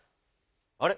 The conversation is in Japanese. あれ？